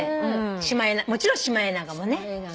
もちろんシマエナガもね。